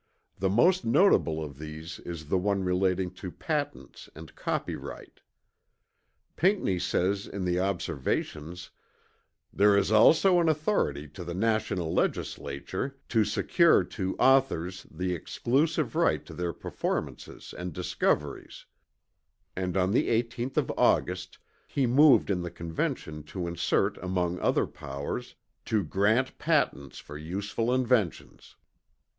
The most notable of these is the one relating to patents and copyright. Pinckney says in the Observations "There is also an authority to the national legislature" "to secure to authors the exclusive right to their performances and discoveries;" and on the 18th of August he moved in the Convention to insert among other powers "To grant patents for useful inventions."